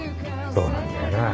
そうなんだよなぁ